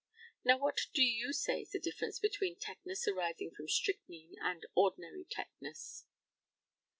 Now, what do you say is the difference between tetanus arising from strychnine and ordinary tetanus?